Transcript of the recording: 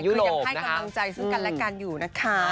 คือยังให้กำลังใจซึ่งกันและกันอยู่นะคะ